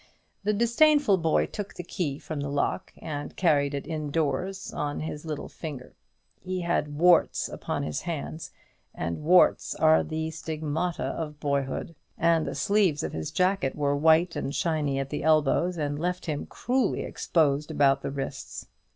The disdainful boy took the key from the lock, and carried it in doors on his little finger. He had warts upon his hands, and warts are the stigmata of boyhood; and the sleeves of his jacket were white and shiny at the elbows, and left him cruelly exposed about the wrists.